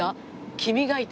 君がいて。